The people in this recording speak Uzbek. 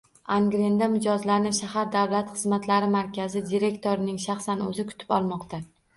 Angrenda mijozlarni shahar Davlat xizmatlari markazi direktorining shaxsan oʻzi kutib olmoqda.